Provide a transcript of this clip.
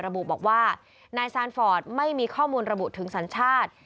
ระบุบอกว่านายซานฟอร์ดไม่มีข้อมูลระบุถึงสัญชาติ